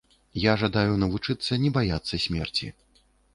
Я жадаю навучыцца не баяцца смерці.